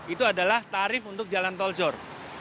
itu adalah tarif untuk jalan tol zor